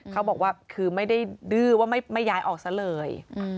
เขาบอกว่าคือไม่ได้ดื้อว่าไม่ย้ายออกซะเลย